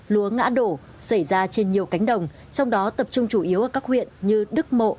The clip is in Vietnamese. lúa ngã đổ xảy ra trên nhiều cánh đồng trong đó tập trung chủ yếu ở các huyện như đức mộ